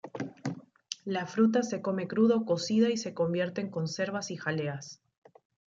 La fruta se come cruda o cocida y se convierte en conservas y jaleas.